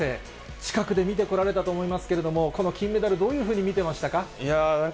近くで見てこられたと思いますけども、この金メダル、どういうふうに見てましたか？